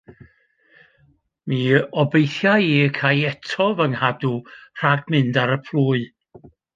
Mi obeithia i y ca i eto fy nghadw rhag mynd ar y plwy.